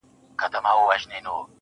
ځوان خپل څادر پر سر کړ.